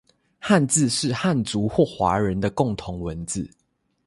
汉字是汉族或华人的共同文字